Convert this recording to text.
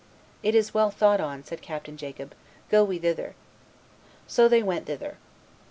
'It is well thought on,' said Captain Jacob: 'go we thither.' So they went thither.